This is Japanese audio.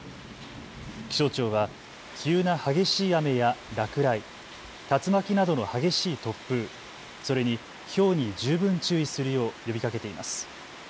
気象庁は急な激しい雨や落雷、竜巻などの激しい突風、それにひょうに十分注意するよう呼びかけています。